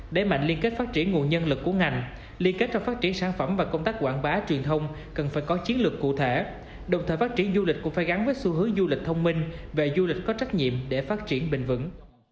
để mạnh liên kết phát triển nguồn nhân lực của ngành liên kết trong phát triển sản phẩm và công tác quảng bá truyền thông cần phải có chiến lược cụ thể đồng thời phát triển du lịch cũng phải gắn với xu hướng du lịch thông minh về du lịch có trách nhiệm để phát triển bình vững